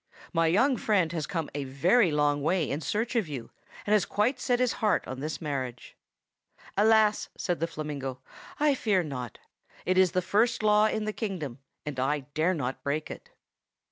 "My young friend has come a very long way in search of you, and has quite set his heart on this marriage." "Alas!" said the flamingo, "I fear not. It is the first law in the kingdom, and I dare not break it."